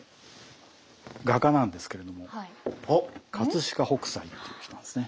画家なんですけれども飾北斎っていう人なんですね。